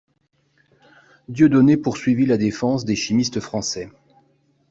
Dieudonné poursuivit la défense des chimistes français.